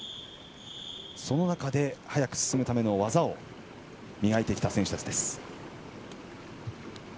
その中で速く進むための技を磨いてきた選手たちです。